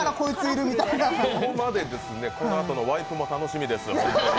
このあとのワイプも楽しみです。